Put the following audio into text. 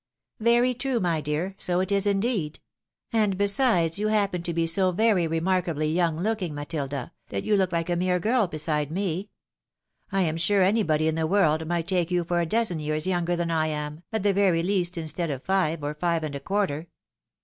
" Very true, my dear, so it is indeed. And besides, you happen to be so very remarkably young looking, Matilda, that you look like a mere girl beside me. I am sure anybody in the world might take you for a dozen years younger than I am, at the very least, instead of five, or five and a quarter."